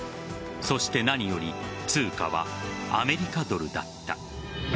そして何より通貨はアメリカドルだった。